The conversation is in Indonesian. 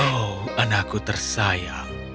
oh anakku tersayang